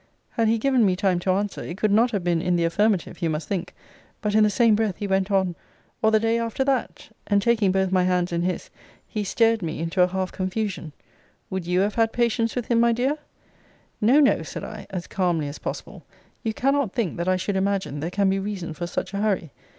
Had he given me time to answer, it could not have been in the affirmative, you must think but, in the same breath, he went on Or the day after that? and taking both my hands in his, he stared me into a half confusion Would you have had patience with him, my dear? No, no, said I, as calmly as possible, you cannot think that I should imagine there can be reason for such a hurry.